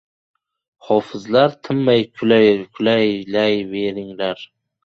Xofizlar, tinmay kuylayveringlar!